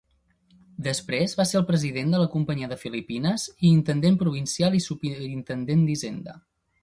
Després va ser president de la Companyia de Filipines i intendent provincial i superintendent d'Hisenda.